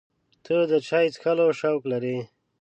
ته د چای څښلو شوق لرې؟